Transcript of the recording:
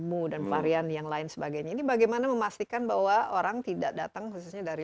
mu dan varian yang lain sebagainya ini bagaimana memastikan bahwa orang tidak datang khususnya dari